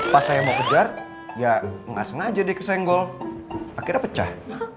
pas saya mau kejar ya nggak sengaja dia kesenggol akhirnya pecah